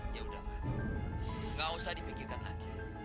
ya udah ma nggak usah dipikirkan lagi